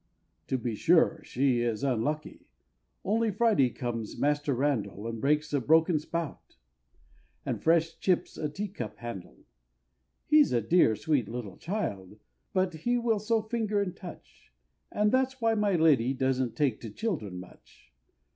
To be sure she is unlucky: only Friday comes Master Randall, And breaks a broken spout, and fresh chips a tea cup handle: He's a dear, sweet little child, but he will so finger and touch, And that's why my Lady doesn't take to children much.